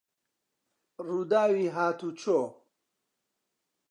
ڕووداوی هاتووچۆ